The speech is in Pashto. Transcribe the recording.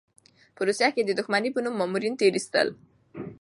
په روسيې کې یې د دښمنۍ په نوم مامورین تېر ایستل.